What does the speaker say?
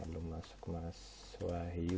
belum masuk mas wahyu